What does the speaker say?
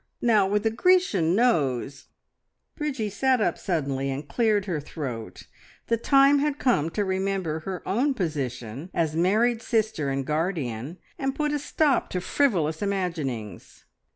Now, with a Grecian nose " Bridgie sat up suddenly, and cleared her throat. The time had come to remember her own position as married sister and guardian, and put a stop to frivolous imaginings.